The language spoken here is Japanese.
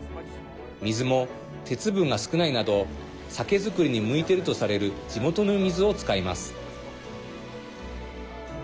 水も鉄分が少ないなど酒造りに向いているとされる地元の水を使います。